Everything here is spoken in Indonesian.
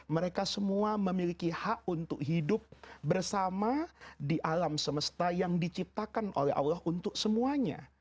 mereka semua memiliki hak untuk hidup bersama di alam semesta yang diciptakan oleh allah untuk semuanya